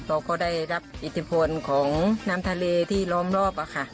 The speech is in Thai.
เราก็ได้รับอิทธิพลของน้ำทะเลที่ล้อมรอบค่ะ